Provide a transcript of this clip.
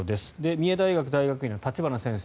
三重大学大学院の立花先生